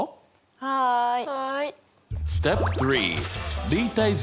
はい。